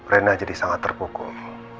rena jadi sangat terpukul